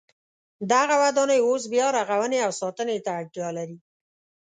دغه ودانۍ اوس بیا رغونې او ساتنې ته اړتیا لري.